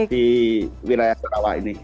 di wilayah sarawak ini